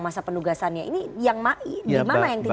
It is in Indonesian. ini yang mana yang tidak klopnya